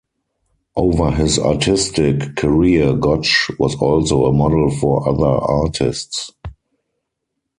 Over his artistic career Gotch was also a model for other artists.